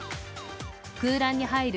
空欄に入る